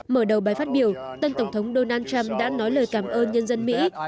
mở đầu bài phát biểu tân tổng thống donald trump đã nói lời cảm ơn nhân dân mỹ